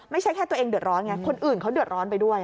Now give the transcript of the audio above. ไม่ใช่แค่ตัวเองเดือดร้อนไงคนอื่นเขาเดือดร้อนไปด้วย